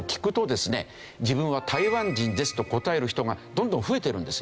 「自分は台湾人です」と答える人がどんどん増えてるんです。